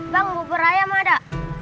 bang bubur ayam ada